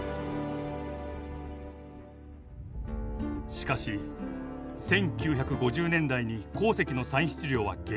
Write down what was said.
しかし１９５０年代に鉱石の産出量は激減。